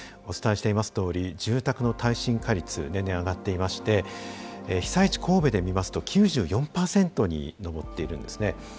お伝えしているとおり住宅の耐震化率年々上がっていまして被災地・神戸で見ますと９４％に上っているんですね。